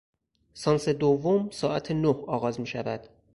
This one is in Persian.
سانس دوم ساعت نه آغاز میشود.